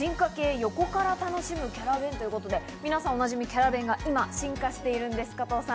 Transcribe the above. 横から楽しむキャラ弁ということで、おなじみ、キャラ弁が今、進化しているんです、加藤さん。